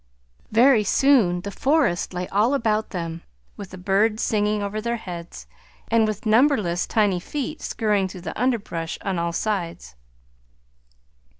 Very soon the forest lay all about them, with the birds singing over their heads, and with numberless tiny feet scurrying through the underbrush on all sides.